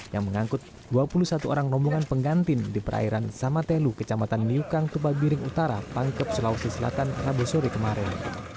yang mengangkut dua puluh satu orang rombongan pengantin di perairan samatelu kecamatan liukang tupabiring utara pangkep sulawesi selatan rabu sore kemarin